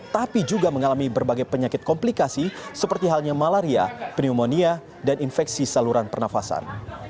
tapi juga mengalami berbagai penyakit komplikasi seperti halnya malaria pneumonia dan infeksi saluran pernafasan